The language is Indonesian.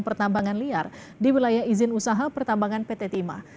pertambangan liar di wilayah izin usaha pertambangan pt timah